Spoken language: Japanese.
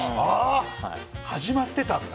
始まってたんだ。